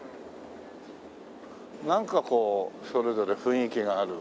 なんかこうそれぞれ雰囲気がある。